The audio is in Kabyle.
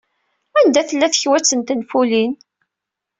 Anda tella tekwat n tenfulin?